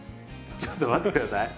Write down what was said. ちょっと待って下さい。